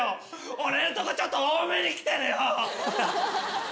俺んとこちょっと多めに来てるよ！